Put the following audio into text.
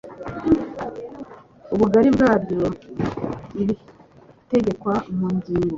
ubugari bwabyo ibitegekwa mu ngingo